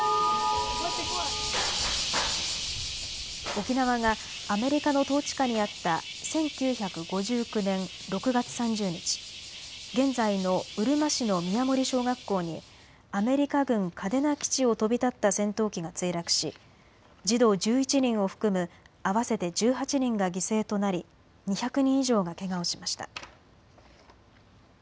沖縄がアメリカの統治下にあった１９５９年６月３０日、現在のうるま市の宮森小学校にアメリカ軍嘉手納基地を飛び立った戦闘機が墜落し児童１１人を含む合わせて１８人が犠牲となり２００人以上がけがをしました。